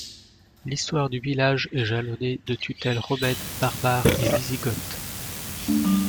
L'histoire du village est jalonnée de tutelles romaines, barbares et wisigothes.